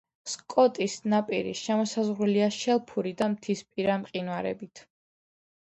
სკოტის ნაპირი შემოსაზღვრულია შელფური და მთისპირა მყინვარებით.